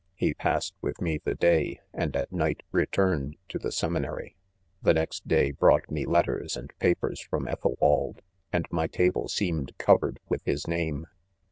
He passed: with, me the day, and, at night .retained to the seminary. * The nesjtday brought me letters and pa= pers from Ethelwald, and my table seemed covered with his name.